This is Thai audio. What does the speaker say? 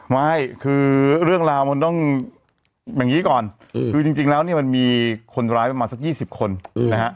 ไม่คือเรื่องราวมันต้องอย่างนี้ก่อนคือจริงแล้วเนี่ยมันมีคนร้ายประมาณสัก๒๐คนนะฮะ